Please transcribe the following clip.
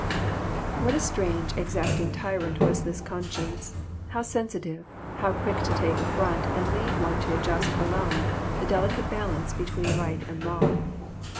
What a strange, exacting tyrant was this conscience ; how sensitive, how quick to take affront and leave one to adjust alone the deli cate balance between right and wrong.